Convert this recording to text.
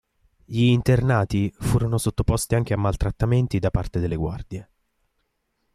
Gli internati furono sottoposti anche a maltrattamenti da parte delle guardie.